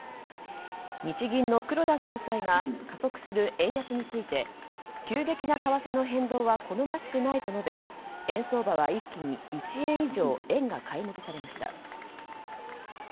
日銀の黒田総裁が加速する円安について急激な為替の変動は好ましくないと述べ円相場は一気に１円以上円が買い戻されました。